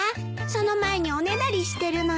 その前におねだりしてるのに。